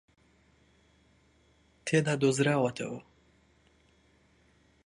تێدا دۆزراوەتەوە